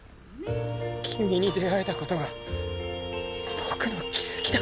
君に出会えたことが僕の奇跡だ。